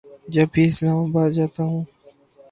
جب بھی اسلام آباد جاتا ہوں